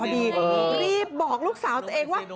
รีบบอกลูกสาวตัวเองว่า